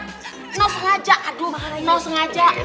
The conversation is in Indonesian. enggak sengaja aduh enggak sengaja